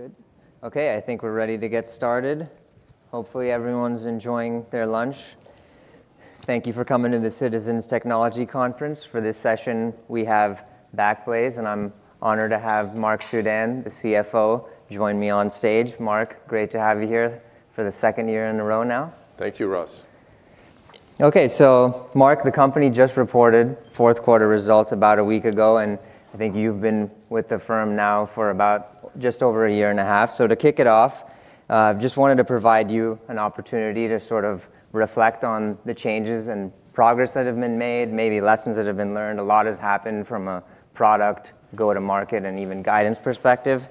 Good. Okay, I think we're ready to get started. Hopefully, everyone's enjoying their lunch. Thank you for coming to the Citizens Technology Conference. For this session, we have Backblaze. I'm honored to have Marc Suidan, the CFO, join me on stage. Marc, great to have you here for the second year in a row now. Thank you, Russ. Okay. Marc, the company just reported fourth quarter results about a week ago, and I think you've been with the firm now for about just over a year and a half. To kick it off, just wanted to provide you an opportunity to sort of reflect on the changes and progress that have been made, maybe lessons that have been learned. A lot has happened from a product go-to-market and even guidance perspective.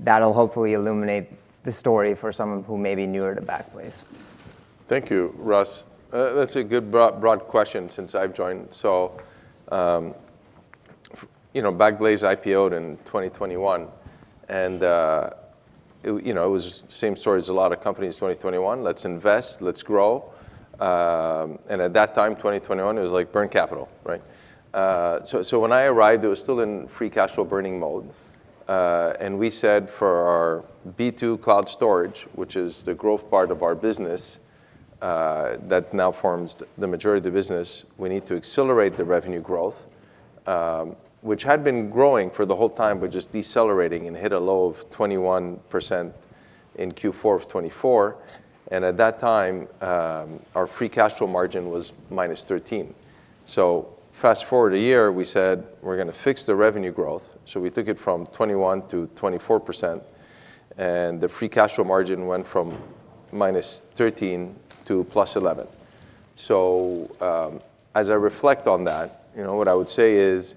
That'll hopefully illuminate this story for someone who may be newer to Backblaze. Thank you, Russ. That's a good broad question since I've joined. You know, Backblaze IPO'd in 2021, and it, you know, it was same story as a lot of companies in 2021, "Let's invest, let's grow." At that time, 2021, it was like burn capital, right? When I arrived, it was still in free cash flow burning mode. We said for our B2 Cloud Storage, which is the growth part of our business, that now forms the majority of the business, we need to accelerate the revenue growth, which had been growing for the whole time, but just decelerating and hit a low of 21% in Q4 of 2024. At that time, our free cash flow margin was -13%. Fast-forward a year, we said, "We're gonna fix the revenue growth." We took it from 21%-24%, and the free cash flow margin went from -13% to +11%. As I reflect on that, you know, what I would say is,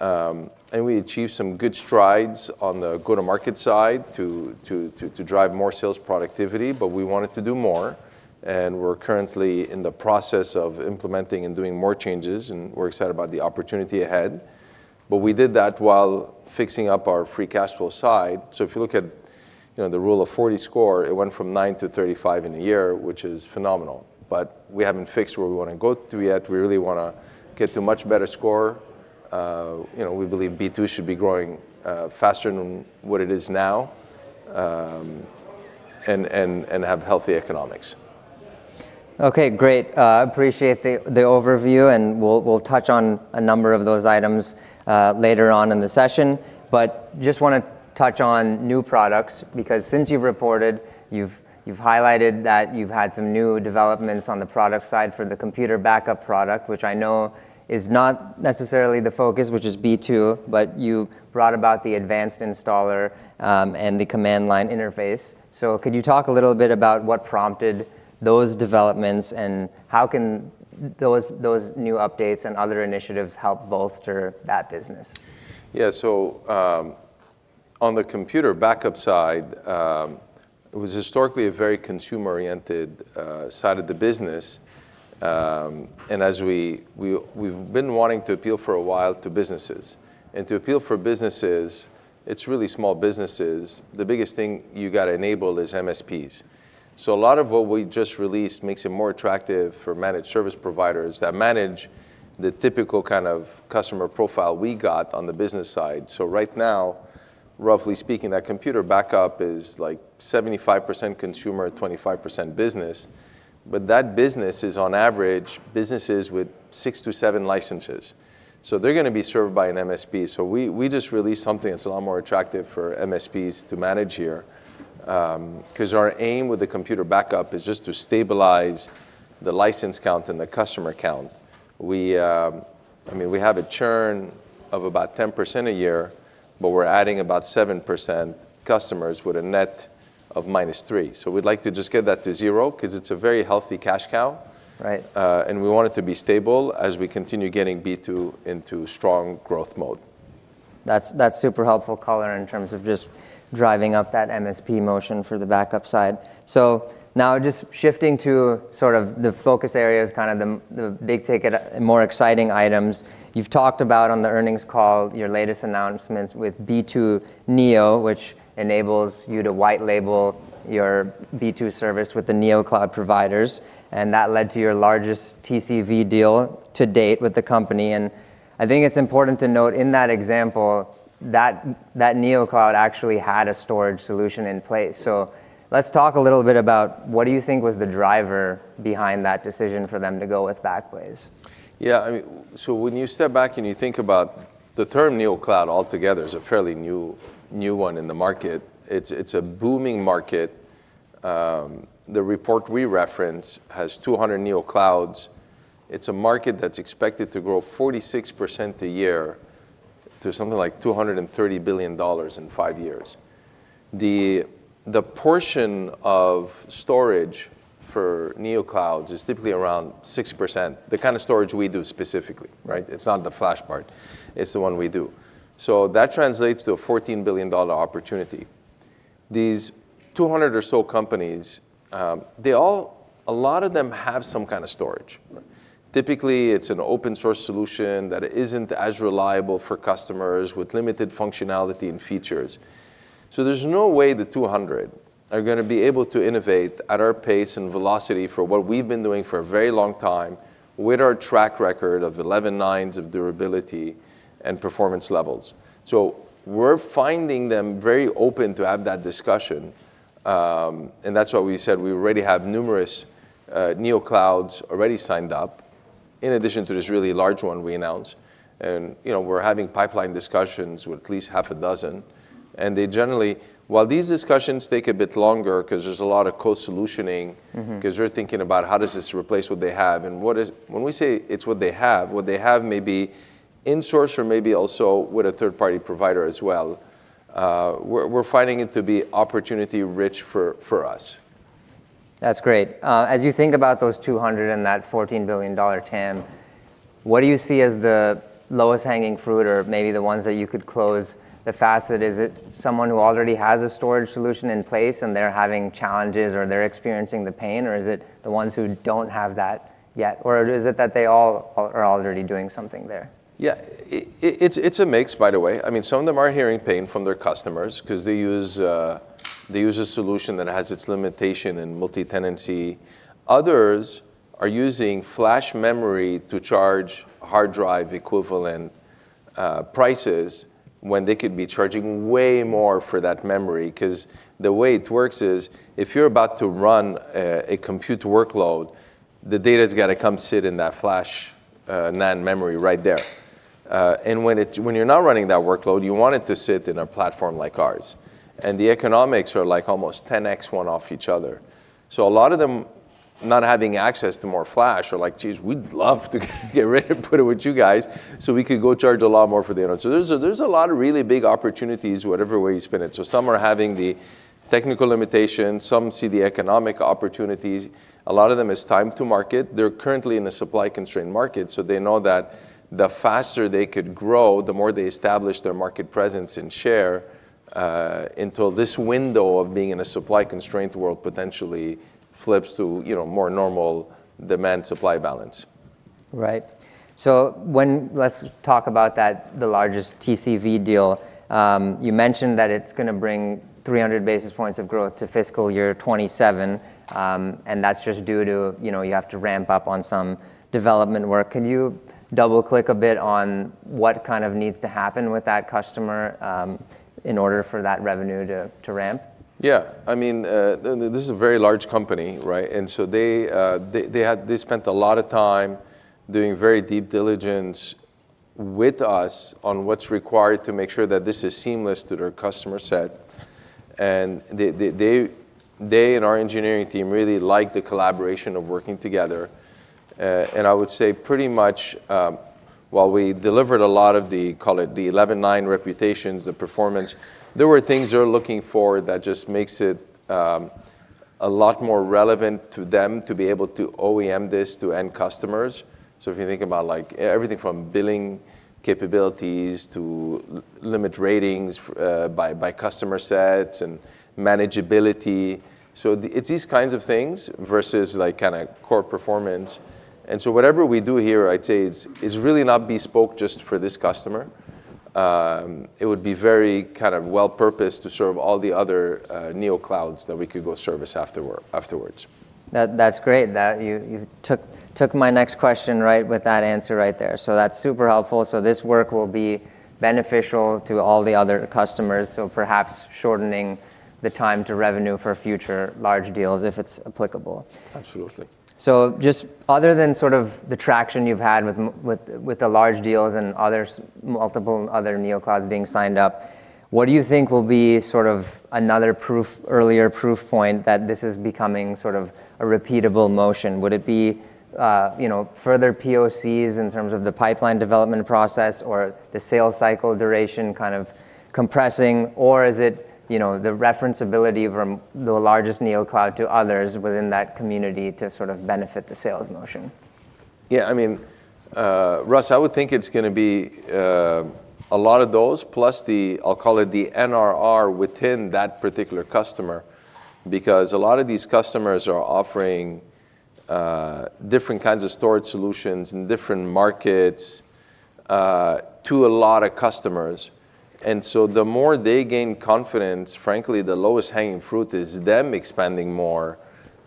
and we achieved some good strides on the go-to-market side to drive more sales productivity, we wanted to do more, and we're currently in the process of implementing and doing more changes, and we're excited about the opportunity ahead. We did that while fixing up our free cash flow side. If you look at, you know, the Rule of 40 score, it went from 9%-35% in a year, which is phenomenal, but we haven't fixed where we wanna go through yet. We really wanna get to a much better score. You know, we believe B2 should be growing faster than what it is now, and have healthy economics. Okay, great. appreciate the overview, and we'll touch on a number of those items, later on in the session. Just wanna touch on new products because since you've reported, you've highlighted that you've had some new developments on the product side for the computer backup product, which I know is not necessarily the focus, which is B2, but you brought about the Advanced Installer, and the Command Line Interface. Could you talk a little bit about what prompted those developments, and how can those new updates and other initiatives help bolster that business? Yeah. On the computer backup side, it was historically a very consumer-oriented side of the business. And as we've been wanting to appeal for a while to businesses. To appeal for businesses, it's really small businesses, the biggest thing you gotta enable is MSPs. A lot of what we just released makes it more attractive for managed service providers that manage the typical kind of customer profile we got on the business side. Right now, roughly speaking, that computer backup is, like, 75% consumer, 25% business, but that business is on average businesses with 6-7 licenses. They're gonna be served by an MSP. We just released something that's a lot more attractive for MSPs to manage here, 'cause our aim with the computer backup is just to stabilize the license count and the customer count. We, I mean, we have a churn of about 10% a year, but we're adding about 7% customers with a net of -3%. We'd like to just get that to 0% 'cause it's a very healthy cash cow. Right. We want it to be stable as we continue getting B2 into strong growth mode. That's super helpful color in terms of just driving up that MSP motion for the backup side. Now just shifting to sort of the focus areas, kind of the big ticket, more exciting items. You've talked about on the earnings call your latest announcements with B2 Neo, which enables you to white-label your B2 service with the Neocloud providers. That led to your largest TCV deal to date with the company. I think it's important to note in that example that Neocloud actually had a storage solution in place. Let's talk a little bit about what do you think was the driver behind that decision for them to go with Backblaze? Yeah, I mean, when you step back and you think about the term Neocloud altogether is a fairly new one in the market. It's a booming market. The report we reference has 200 Neoclouds. It's a market that's expected to grow 46% a year to something like $230 billion in 5 years. The portion of storage for Neoclouds is typically around 6%. The kind of storage we do specifically, right? It's not the flash part, it's the one we do. That translates to a $14 billion opportunity. These 200 or so companies, a lot of them have some kind of storage. Right. Typically, it's an open source solution that isn't as reliable for customers with limited functionality and features. There's no way the 200 are gonna be able to innovate at our pace and velocity for what we've been doing for a very long time with our track record of eleven nines of durability and performance levels. We're finding them very open to have that discussion, and that's why we said we already have numerous Neocloud already signed up, in addition to this really large one we announced. You know, we're having pipeline discussions with at least half a dozen. While these discussions take a bit longer 'cause there's a lot of co-solutioning. Mm-hmm. 'cause they're thinking about how does this replace what they have. When we say it's what they have, what they have may be in-source or maybe also with a third-party provider as well. We're finding it to be opportunity rich for us. That's great. As you think about those 200 and that $14 billion TAM, what do you see as the lowest hanging fruit or maybe the ones that you could close the fastest? Is it someone who already has a storage solution in place and they're having challenges or they're experiencing the pain, or is it the ones who don't have that yet? Or is it that they all are already doing something there? Yeah. It's a mix, by the way. I mean, some of them are hearing pain from their customers 'cause they use a solution that has its limitation in multi-tenancy. Others are using flash memory to charge hard drive equivalent prices when they could be charging way more for that memory 'cause the way it works is, if you're about to run a compute workload, the data's gotta come sit in that flash, NAND memory right there. When you're not running that workload, you want it to sit in a platform like ours. The economics are like almost 10x one off each other. A lot of them not having access to more flash are like, "Jeez, we'd love to get rid and put it with you guys, so we could go charge a lot more for the data." There's a lot of really big opportunities, whatever way you spin it. Some are having the technical limitations, some see the economic opportunities. A lot of them, it's time to market. They're currently in a supply-constrained market, so they know that the faster they could grow, the more they establish their market presence and share, until this window of being in a supply-constrained world potentially flips to, you know, more normal demand-supply balance. Right. Let's talk about that, the largest TCV deal. You mentioned that it's gonna bring 300 basis points of growth to fiscal year 2027, and that's just due to, you know, you have to ramp up on some development work. Can you double-click a bit on what kind of needs to happen with that customer, in order for that revenue to ramp? I mean, this is a very large company, right? They spent a lot of time doing very deep diligence with us on what's required to make sure that this is seamless to their customer set. They and our engineering team really like the collaboration of working together. I would say pretty much, while we delivered a lot of the, call it, the eleven-nine durability, the performance, there were things they're looking for that just makes it a lot more relevant to them to be able to OEM this to end customers. If you think about, like, everything from billing capabilities to limit ratings, by customer sets and manageability. It's these kinds of things versus, like, kinda core performance. Whatever we do here, I'd say, it's really not bespoke just for this customer. It would be very kind of well-purposed to serve all the other Neoclouds that we could go service afterwards. That's great. You took my next question right with that answer right there. That's super helpful. This work will be beneficial to all the other customers, so perhaps shortening the time to revenue for future large deals if it's applicable. Absolutely. Just other than sort of the traction you've had with the large deals and multiple other Neoclouds being signed up, what do you think will be sort of another proof, earlier proof point that this is becoming sort of a repeatable motion? Would it be, you know, further POCs in terms of the pipeline development process or the sales cycle duration kind of compressing, or is it, you know, the reference ability from the largest Neocloud to others within that community to sort of benefit the sales motion? Yeah, I mean, Russ, I would think it's gonna be a lot of those plus the, I'll call it, the NRR within that particular customer, because a lot of these customers are offering different kinds of storage solutions in different markets to a lot of customers. The more they gain confidence, frankly, the lowest hanging fruit is them expanding more,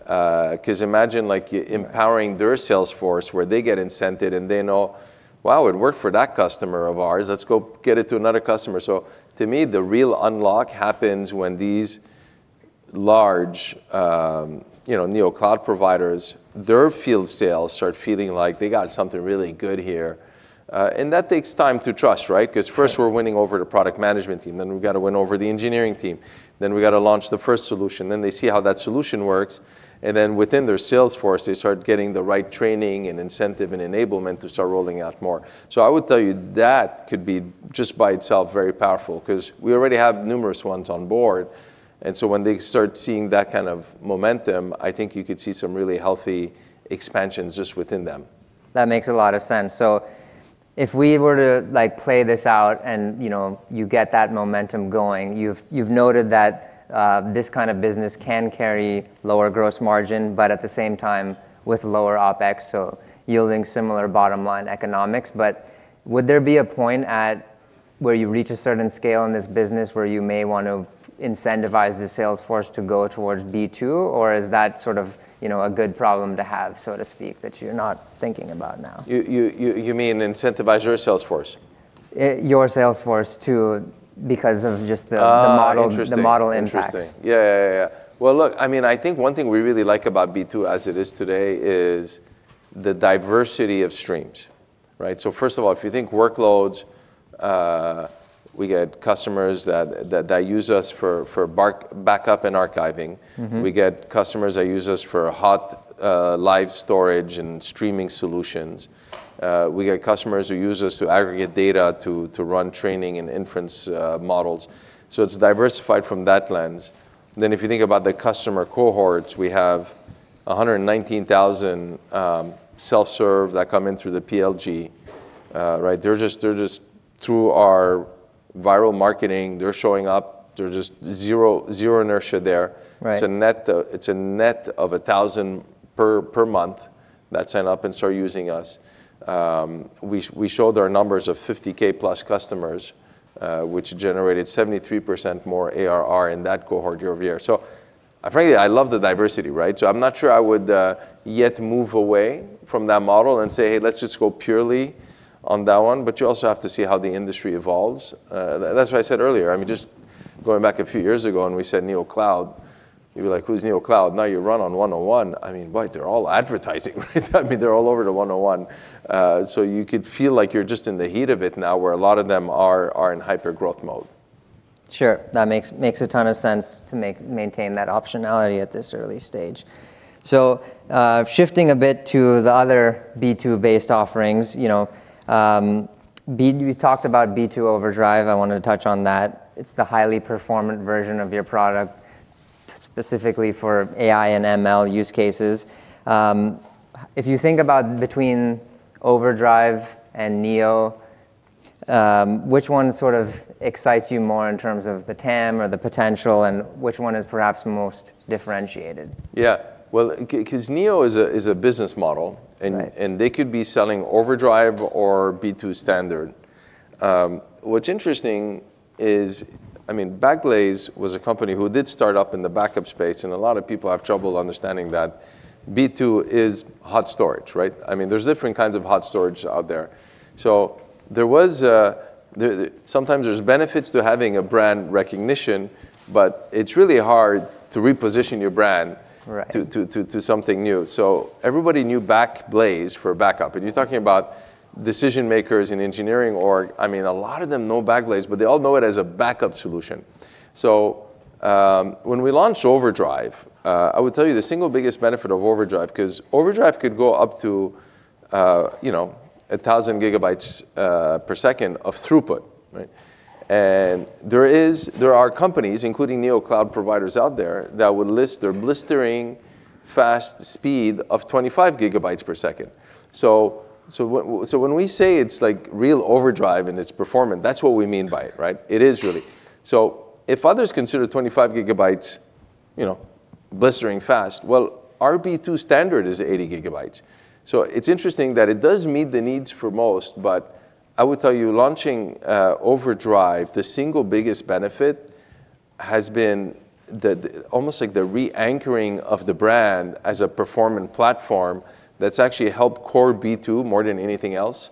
'cause imagine, like, empowering their sales force where they get incented and they know, "Wow, it worked for that customer of ours. Let's go get it to another customer." To me, the real unlock happens when these large, you know, Neocloud providers, their field sales start feeling like they got something really good here. That takes time to trust, right? 'Cause first we're winning over the product management team, then we gotta win over the engineering team. We gotta launch the first solution. They see how that solution works, and then within their sales force, they start getting the right training and incentive and enablement to start rolling out more. I would tell you that could be, just by itself, very powerful 'cause we already have numerous ones on board. When they start seeing that kind of momentum, I think you could see some really healthy expansions just within them. That makes a lot of sense. If we were to, like, play this out and, you know, you've noted that this kind of business can carry lower gross margin, but at the same time, with lower OpEx, so yielding similar bottom line economics. Would there be a point at where you reach a certain scale in this business where you may want to incentivize the sales force to go towards B2, or is that sort of, you know, a good problem to have, so to speak, that you're not thinking about now? You mean incentivize your sales force? Your sales force too, because of just. Interesting.... the model, the model impacts. Interesting. Yeah, yeah. Well, look, I mean, I think one thing we really like about B2 as it is today is the diversity of streams, right? First of all, if you think workloads, we get customers that use us for backup and archiving. Mm-hmm. We get customers that use us for hot, live storage and streaming solutions. We get customers who use us to aggregate data to run training and inference models. It's diversified from that lens. If you think about the customer cohorts, we have 119,000 self-serve that come in through the PLG, right? They're just through our viral marketing, they're showing up. There's just zero inertia there. Right. It's a net of 1,000 per month that sign up and start using us. We showed our numbers of 50k plus customers, which generated 73% more ARR in that cohort year-over-year. Frankly, I love the diversity, right? I'm not sure I would yet move away from that model and say, "Hey, let's just go purely on that one." You also have to see how the industry evolves. That's what I said earlier. I mean, just going back a few years ago, we said Neocloud, you'd be like, "Who's Neocloud?" Now you run on 101. I mean, boy, they're all advertising, right? I mean, they're all over to 101. You could feel like you're just in the heat of it now, where a lot of them are in hyper growth mode. Sure. That makes a ton of sense to maintain that optionality at this early stage. Shifting a bit to the other B2 based offerings. You know, you talked about B2 Overdrive, I wanted to touch on that. It's the highly performant version of your product, specifically for AI and ML use cases. If you think about between Overdrive and Neo, which one sort of excites you more in terms of the TAM or the potential, and which one is perhaps most differentiated? Yeah. Well, 'cause Neo is a business model. Right.... and they could be selling Overdrive or B2 standard. What's interesting is, I mean, Backblaze was a company who did start up in the backup space, and a lot of people have trouble understanding that B2 is hot storage, right? I mean, there's different kinds of hot storage out there. Sometimes there's benefits to having a brand recognition, but it's really hard to reposition your brand- Right.... to something new. Everybody knew Backblaze for backup, and you're talking about decision makers in engineering org. I mean, a lot of them know Backblaze, but they all know it as a backup solution. When we launched Overdrive, I would tell you the single biggest benefit of Overdrive, 'cause Overdrive could go up to, you know, 1,000 GB per second of throughput, right? There are companies, including Neocloud providers out there that would list their blistering fast speed of 25 GB per second. What... When we say it's like real Overdrive and it's performant, that's what we mean by it, right? It is really. If others consider 25 GB, you know, blistering fast, well, our B2 standard is 80 GB. It's interesting that it does meet the needs for most, but I would tell you, launching Overdrive, the single biggest benefit has been the almost like the re-anchoring of the brand as a performant platform that's actually helped core B2 more than anything else,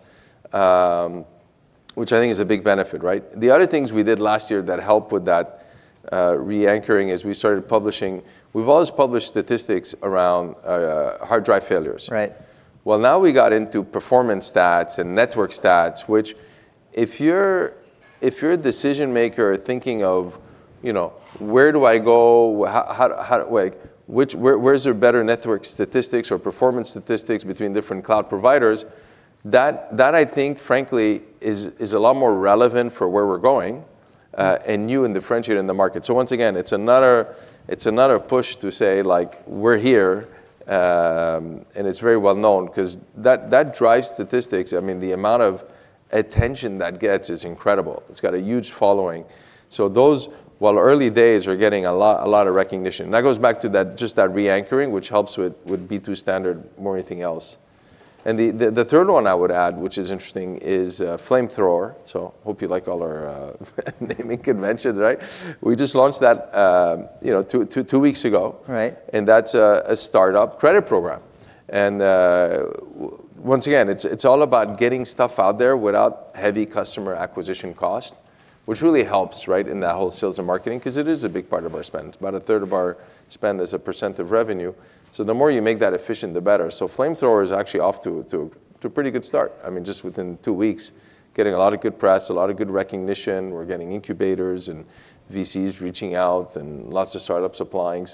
which I think is a big benefit, right? The other things we did last year that helped with that re-anchoring is we started publishing. We've always published statistics around hard drive failures. Right. Well, now we got into performance stats and network stats, which if you're, if you're a decision maker thinking of, you know, where do I go? Where is there better network statistics or performance statistics between different cloud providers? That I think frankly is a lot more relevant for where we're going and you and differentiate in the market. Once again, it's another push to say like, "We're here." It's very well known 'cause that drives statistics. I mean, the amount of attention that gets is incredible. It's got a huge following. Those, while early days are getting a lot of recognition. That goes back to that, just that re-anchoring, which helps with B2 standard more than anything else. The third one I would add, which is interesting, is Flamethrower. Hope you like all our naming conventions, right? We just launched that, you know, two weeks ago. Right. That's a startup credit program. Once again, it's all about getting stuff out there without heavy customer acquisition cost, which really helps, right? In that whole sales and marketing, because it is a big part of our spend. About a third of our spend is a % of revenue, the more you make that efficient, the better. Flamethrower is actually off to a pretty good start. I mean, just within 2 weeks, getting a lot of good press, a lot of good recognition. We're getting incubators and VCs reaching out and lots of startups applying.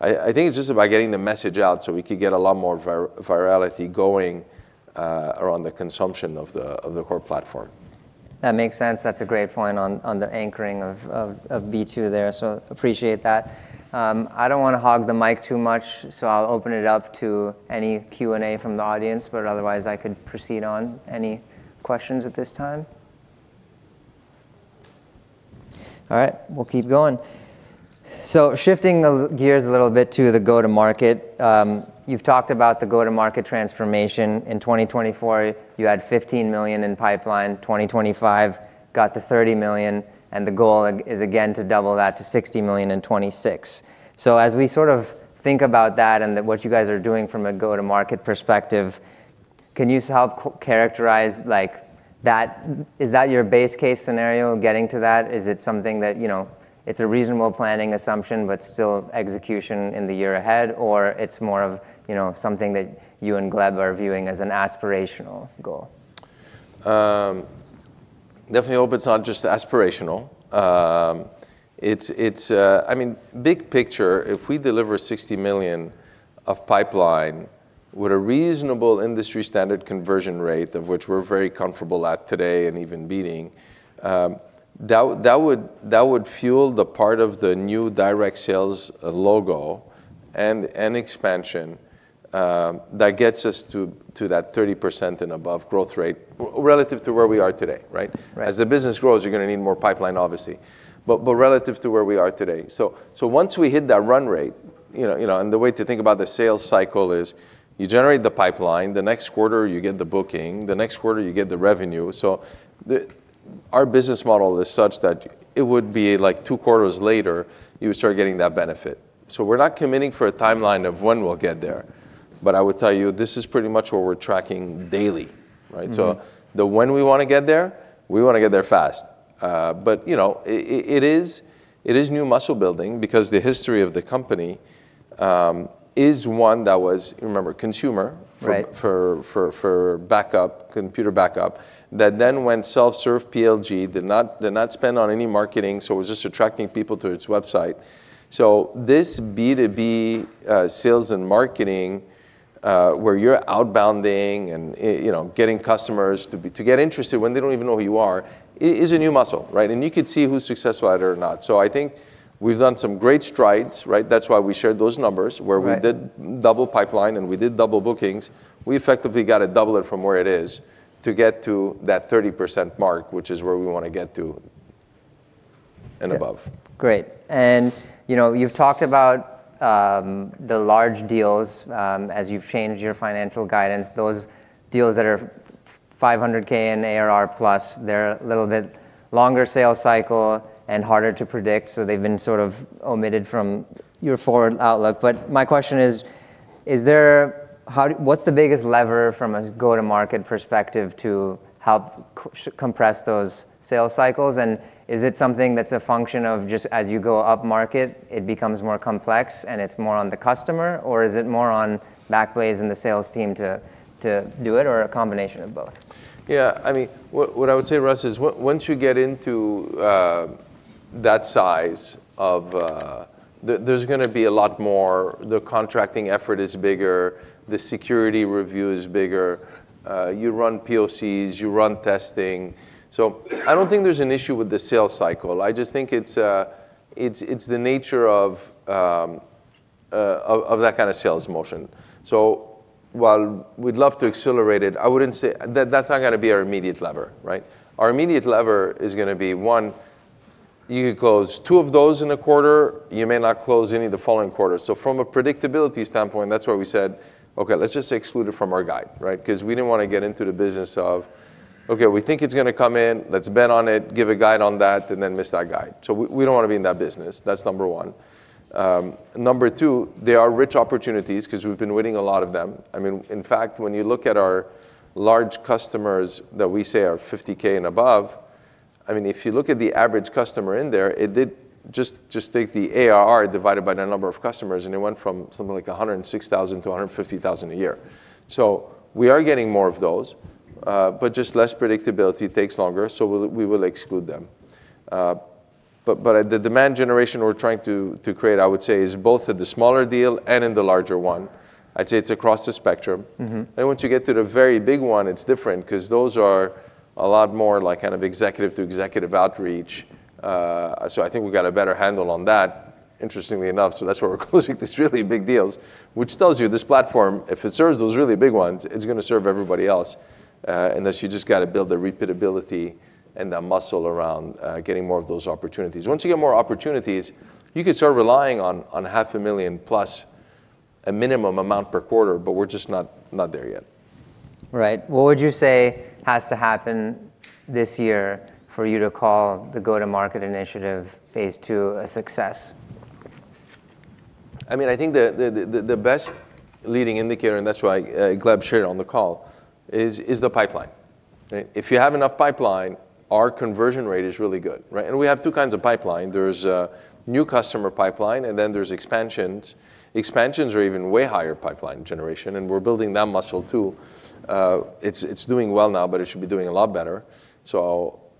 I think it's just about getting the message out so we could get a lot more virality going around the consumption of the core platform. That makes sense. That's a great point on the anchoring of B2 there. Appreciate that. I don't wanna hog the mic too much, so I'll open it up to any Q&A from the audience, but otherwise I could proceed on any questions at this time. All right, we'll keep going. Shifting the gears a little to the go-to-market. You've talked about the go-to-market transformation. In 2024 you had $15 million in pipeline. 2025 got to $30 million, and the goal is again to double that to $60 million in 2026. As we sort of think about that and what you guys are doing from a go-to-market perspective, can you help characterize like that, is that your base case scenario getting to that? Is it something that, you know, it's a reasonable planning assumption, but still execution in the year ahead, or it's more of, you know, something that you and Gleb are viewing as an aspirational goal? Definitely hope it's not just aspirational. I mean, big picture, if we deliver $60 million of pipeline with a reasonable industry standard conversion rate, of which we're very comfortable at today and even beating, that would fuel the part of the new direct sales logo and expansion that gets us to that 30% and above growth rate relative to where we are today, right? Right. As the business grows, you're gonna need more pipeline obviously. Relative to where we are today. Once we hit that run rate, you know, you know, and the way to think about the sales cycle is you generate the pipeline, the next quarter, you get the booking, the next quarter, you get the revenue. Our business model is such that it would be like two quarters later, you would start getting that benefit. We're not committing for a timeline of when we'll get there, but I would tell you, this is pretty much what we're tracking daily, right? Mm-hmm. The when we want to get there, we want to get there fast. You know, it is new muscle building because the history of the company, is one that was, remember, consumer... Right. ...for backup, computer backup, that then went self-serve PLG, did not spend on any marketing, it was just attracting people to its website. This B2B, sales and marketing, where you're outbounding and you know, getting customers to get interested when they don't even know who you are is a new muscle, right? You could see who's successful at it or not. I think we've done some great strides, right? That's why we shared those numbers. Right. ...where we did double pipeline and we did double bookings. We effectively gotta double it from where it is to get to that 30% mark, which is where we want to get to and above. Great. You know, you've talked about the large deals, as you've changed your financial guidance, those deals that are $500K in ARR plus, they're a little bit longer sales cycle and harder to predict, so they've been sort of omitted from your forward outlook. My question is, what's the biggest lever from a go-to-market perspective to help compress those sales cycles? Is it something that's a function of just as you go up market, it becomes more complex and it's more on the customer, or is it more on Backblaze and the sales team to do it, or a combination of both? Yeah. I mean, what I would say, Russ, is once you get into that size of... There's gonna be a lot more, the contracting effort is bigger. The security review is bigger. You run POCs, you run testing. I don't think there's an issue with the sales cycle. I just think it's the nature of that kind of sales motion. While we'd love to accelerate it, I wouldn't say... That's not gonna be our immediate lever, right? Our immediate lever is gonna be, one, you close two of those in a quarter, you may not close any of the following quarters. From a predictability standpoint, that's why we said, "Okay, let's just exclude it from our guide," right? 'Cause we didn't wanna get into the business of, "Okay, we think it's gonna come in, let's bet on it, give a guide on that, and then miss that guide." We don't wanna be in that business. That's number one. Number two, they are rich opportunities 'cause we've been winning a lot of them. I mean, in fact, when you look at our large customers that we say are $50K and above, I mean, if you look at the average customer in there. Just take the ARR divided by the number of customers, and it went from something like $106,000-$150,000 a year. We are getting more of those, but just less predictability takes longer, so we will exclude them. At the demand generation we're trying to create, I would say, is both at the smaller deal and in the larger one. I'd say it's across the spectrum. Mm-hmm. Once you get to the very big one, it's different 'cause those are a lot more like kind of executive-to-executive outreach. I think we've got a better handle on that, interestingly enough, so that's where we're closing these really big deals. Which tells you this platform, if it serves those really big ones, it's gonna serve everybody else. Thus you just gotta build the repeatability and the muscle around getting more of those opportunities. Once you get more opportunities, you could start relying on half a million dollars plus a minimum amount per quarter, but we're just not there yet. Right. What would you say has to happen this year for you to call the go-to-market initiative phase two a success? I mean, I think the best leading indicator, and that's why Gleb shared on the call, is the pipeline. Right? If you have enough pipeline, our conversion rate is really good. Right? We have two kinds of pipeline. There's a new customer pipeline, and then there's expansions. Expansions are even way higher pipeline generation, and we're building that muscle, too. It's doing well now, but it should be doing a lot better.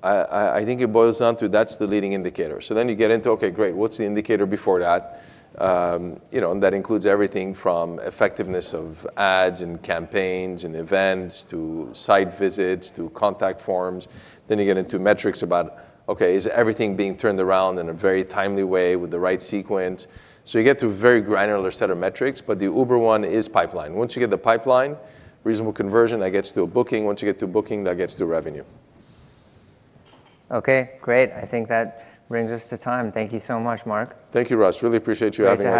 I think it boils down to that's the leading indicator. You get into, okay, great, what's the indicator before that? You know, and that includes everything from effectiveness of ads and campaigns and events to site visits to contact forms. You get into metrics about, okay, is everything being turned around in a very timely way with the right sequence? You get to a very granular set of metrics, but the uber one is pipeline. Once you get the pipeline, reasonable conversion, that gets to a booking. Once you get to booking, that gets to revenue. Okay, great. I think that brings us to time. Thank you so much, Marc. Thank you, Russ. Really appreciate you having us.